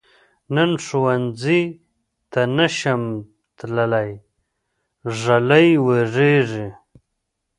نن ښؤونځي ته نشم تللی، ږلۍ وریږي.